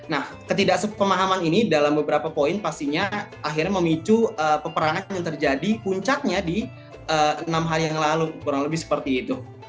nah ketidaksepemahaman ini dalam beberapa poin pastinya akhirnya memicu peperangan yang terjadi puncaknya di enam hari yang lalu kurang lebih seperti itu